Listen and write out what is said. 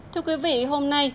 thưa quý vị hôm nay